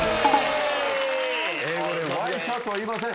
英語でワイシャツは言いません。